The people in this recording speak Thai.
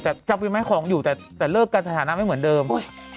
แต่จับไว้ไหมของอยู่แต่แต่เลิกการสถานะไม่เหมือนเดิมอุ้ย